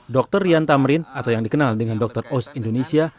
dr rian tamrin atau yang dikenal dengan dr os indonesia